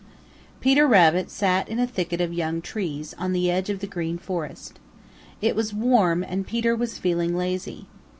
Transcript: Peter Rabbit sat in a thicket of young trees on the edge of the Green Forest. It was warm and Peter was feeling lazy.